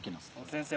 先生